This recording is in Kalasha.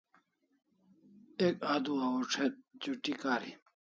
Ek adua o ch'uti kari